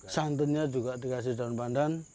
santannya juga dikasih daun pandan